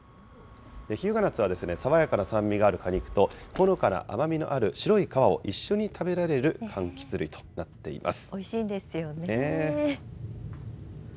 日向夏は爽やかな酸味がある果肉と、ほのかな甘みのある白い皮を一緒に食べられるかんきつ類となっています。